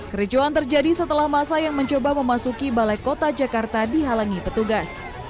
kericuan terjadi setelah masa yang mencoba memasuki balai kota jakarta dihalangi petugas